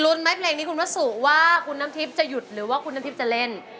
ซดูมั้ยเพลงนี้คุณรักตู้ว่าคุณน้ำทริปจะหยุดหรือว่าคุณน้ำทริปจะเล่น